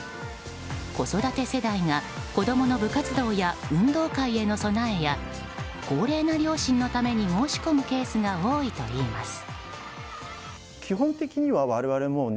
子育て世代が子供の部活動や運動会への備えや高齢な両親のために申し込むケースが多いといいます。